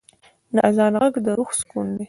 د آذان ږغ د روح سکون دی.